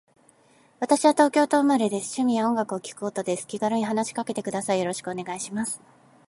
私は東京都生まれです。趣味は音楽を聴くことです。気軽に話しかけてください。よろしくお願いいたします。